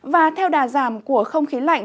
và theo đà giảm của không khí lạnh